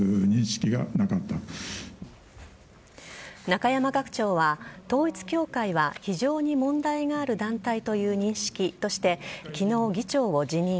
中山学長は統一教会は非常に問題がある団体という認識として昨日、議長を辞任。